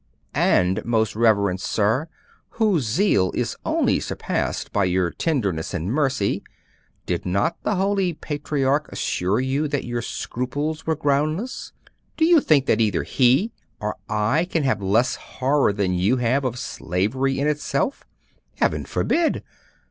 'And, most reverend sir, whose zeal is only surpassed by your tenderness and mercy, did not the holy patriarch assure you that your scruples were groundless? Do you think that either he or I can have less horror than you have of slavery in itself? Heaven forbid!